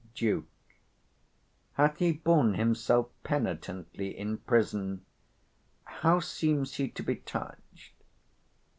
Duke. Hath he borne himself penitently in prison? how seems he to be touched?